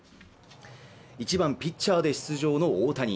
１番・ピッチャーで出場の大谷。